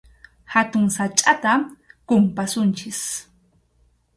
Hatun sachʼata kumpasunchik.